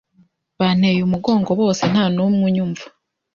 banteye umugongo bose ntanumwe unyumva